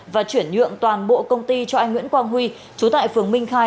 và chuyển nhượng toàn bộ công ty cho anh nguyễn quang huy chú tại phường minh khai